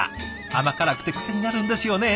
甘辛くて癖になるんですよね。